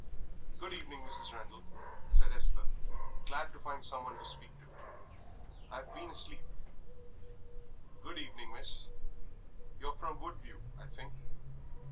"Good evening, Mrs. Randal," said Esther, glad to find someone to speak to. "I've been asleep." "Good evening, Miss. You're from Woodview, I think?"